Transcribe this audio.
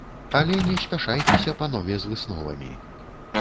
Але не спяшайцеся, панове, з высновамі.